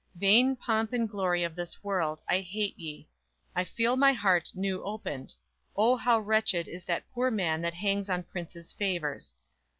Vain pomp and glory of this world, I hate ye; I feel my heart new opened; O, how wretched Is that poor man that hangs on princes' favors!